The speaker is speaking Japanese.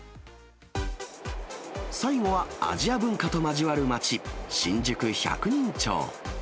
最後は、アジア文化と交わる街、新宿・百人町。